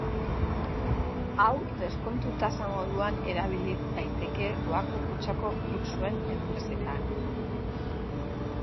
Hau deskontu-tasa moduan erabil daiteke doako kutxako fluxuen enpresetan.